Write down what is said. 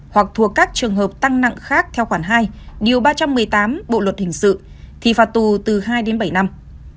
hoặc thuộc các trường hợp tăng nặng khác theo khoản hai điều ba trăm một mươi tám bộ luật hình sự thì phạt tù từ hai đến bảy năm